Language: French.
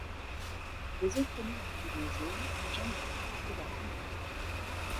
Les autres noms incluent le jaune, le gingembre et la marmelade.